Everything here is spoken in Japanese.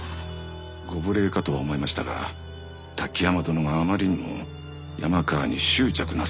ご無礼かとは思いましたが滝山殿があまりにも山川に執着なさるので。